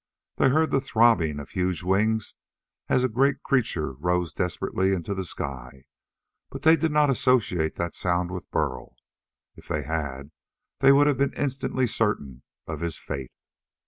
They heard the throbbing of huge wings as a great creature rose desperately into the sky, but they did not associate that sound with Burl. If they had, they would have been instantly certain of his fate.